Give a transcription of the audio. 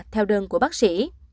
theo đơn của bác sĩ